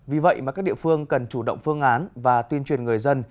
vì vậy mà các địa phương cần chủ động phương án và tuyên truyền người dân